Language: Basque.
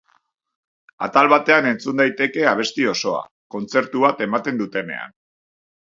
Atal batean entzun daiteke abesti osoa, kontzertu bat ematen dutenean.